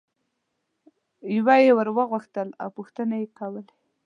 یوه یي ور غوښتل او پوښتنې یې کولې.